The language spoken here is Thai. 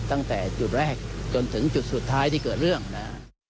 ตั้งแต่จุดแรกจนถึงจุดสุดท้ายที่เกิดเรื่องนะฮะ